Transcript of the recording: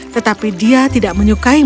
tetapi dia tidak menyukai